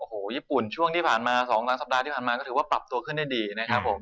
โอ้โหญี่ปุ่นช่วงที่ผ่านมา๒๓สัปดาห์ที่ผ่านมาก็ถือว่าปรับตัวขึ้นได้ดีนะครับผม